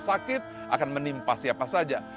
sakit akan menimpa siapa saja